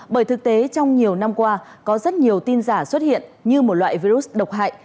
bởi thực tế trong nhiều năm qua có rất nhiều tin giả xuất hiện như một loại virus độc hại